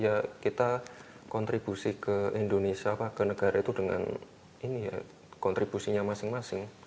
ya kita kontribusi ke indonesia ke negara itu dengan ini ya kontribusinya masing masing